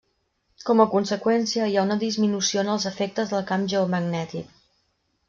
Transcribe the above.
Com a conseqüència hi ha una disminució en els efectes del camp geomagnètic.